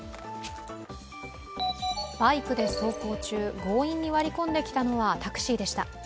バイクで走行中、強引に割り込んできたのはタクシーでした。